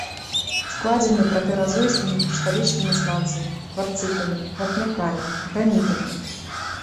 Складзены пратэразойскімі крышталічнымі сланцамі, кварцытамі, вапнякамі, гранітамі.